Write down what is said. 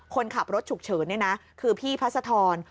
คนขับรถฉุกเฉินนี่นะคือพี่พัศธร